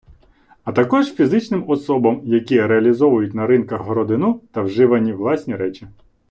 А також фізичним особам, які реалізовують на ринках городину та вживані власні речі.